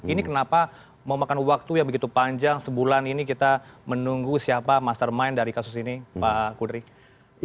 ini kenapa memakan waktu yang begitu panjang sebulan ini kita menunggu siapa mastermind dari kasus ini pak kudri